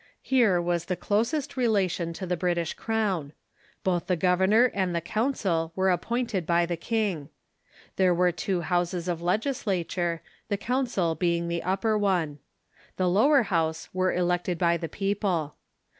Here Avas the closest relation to the British croAvn. Both the governor and the council Avere ap pointed by the king. There Avere two houses of legislature, the council being the upper one. The lower house Avere elected by the people.